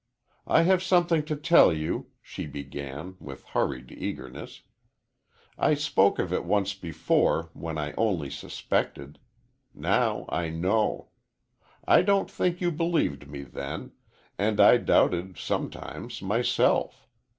"I have something to tell you," she began, with hurried eagerness. "I spoke of it once before, when I only suspected. Now I know. I don't think you believed me then, and I doubted, sometimes, myself.